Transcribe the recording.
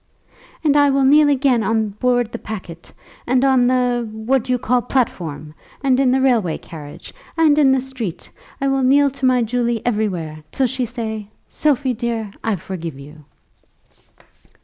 "And I will kneel again on board the packet; and on the what you call, platform, and in the railway carriage, and in the street. I will kneel to my Julie everywhere, till she say, 'Sophie, dear, I forgive you!'"